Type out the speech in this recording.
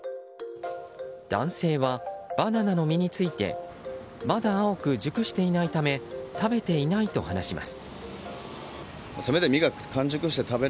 男性はバナナの実についてまだ青く、熟していないため食べていないと話します。